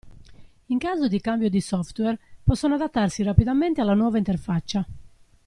In caso di cambio di software possono adattarsi rapidamente alla nuova interfaccia.